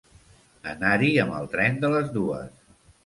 Anar-hi amb el tren de les dues.